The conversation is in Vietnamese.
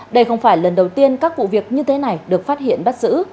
đây không phải lần đầu tiên các vụ việc như thế này được phát hiện bắt giữ